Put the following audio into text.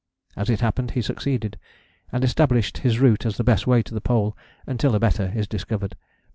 As it happened, he succeeded, and established his route as the best way to the Pole until a better is discovered.